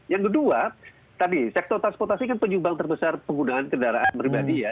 yang kedua tadi sektor transportasi kan penyumbang terbesar penggunaan kendaraan pribadi ya